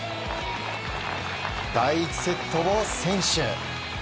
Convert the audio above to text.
第１セットを先取。